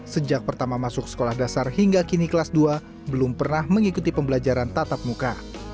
sejak pertama masuk sekolah dasar hingga kini kelas dua belum pernah mengikuti pembelajaran tatap muka